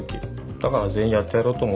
だから全員やってやろうと思って。